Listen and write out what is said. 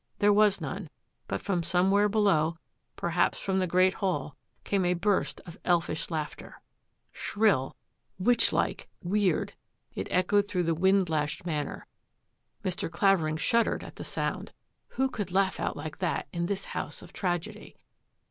There was none, but from somewhere below, perhaps from the Great Hall, came a burst of elfish laughter. Shrill, 74 THAT AFFAIR AT THE MANOR witchlike, weird, it echoed through the wind lashed Manor. Mr. Clavering shuddered at the sound. Who could laugh out like that in this house of tragedy?